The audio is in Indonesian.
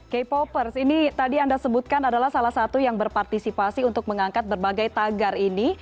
k popers ini tadi anda sebutkan adalah salah satu yang berpartisipasi untuk mengangkat berbagai tagar ini